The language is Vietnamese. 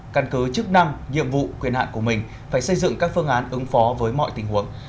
căn cứ chức năng nhiệm vụ quyền hạn của mình phải xây dựng các phương án ứng phó với mọi tình huống